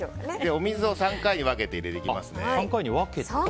お水を３回に分けて入れていきます。